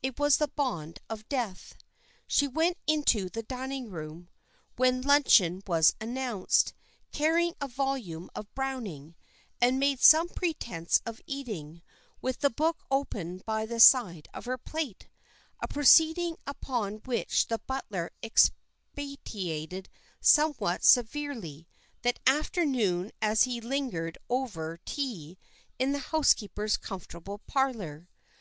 It was the bond of death. She went into the dining room when luncheon was announced, carrying a volume of Browning, and made some pretence of eating, with the book open by the side of her plate, a proceeding upon which the butler expatiated somewhat severely that afternoon as he lingered over tea in the housekeeper's comfortable parlour.